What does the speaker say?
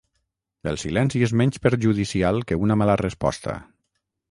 El silenci és menys perjudicial que una mala resposta.